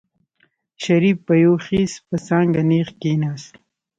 شريف په يو خېز په څانګه نېغ کېناست.